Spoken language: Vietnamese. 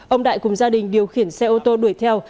ông đại cùng gia đình điều khiển xe ô tô đuổi theo